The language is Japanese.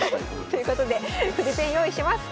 ということで筆ペン用意します！